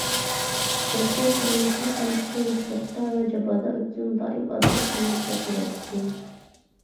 گەرچە تۇرمۇشى قانچە قىيىنچىلىقتا ۋە جاپادا ئۆتسۇن، دائىم ئاددىي تۇرمۇش كەچۈرەتتى.